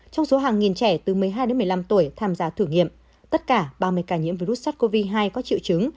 trong số hàng nghìn trẻ từ một mươi hai đến một mươi năm tuổi tham gia thử nghiệm tất cả ba mươi ca nhiễm virus sars cov hai có triệu chứng